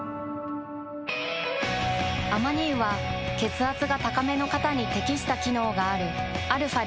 アマニ油は血圧が高めの方に適した機能があるαー